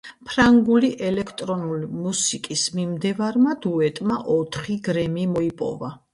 ფრანგული ელექტრონული მუსიკის მიმდევარმა დუეტმა ოთხი „გრემი“ მოიპოვა.